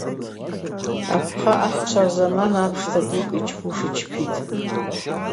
Апхъа ахӏчва рзаман апшта дукӏ йчпуш йчпитӏ.